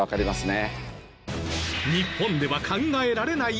日本では考えられない